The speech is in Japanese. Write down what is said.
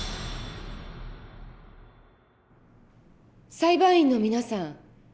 裁判員の皆さん